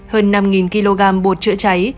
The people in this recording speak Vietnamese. hơn năm kg bột chữa cháy